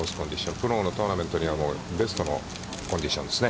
プロのトーナメントには、ベストのコンディションですね。